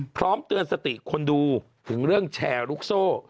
พร้อมเตือนสติคนดูถึงเรื่องแชร์ลูกโซ่